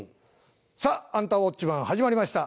さあ『アンタウォッチマン！』始まりました。